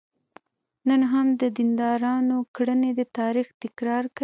نن هم د دیندارانو کړنې د تاریخ تکرار کوي.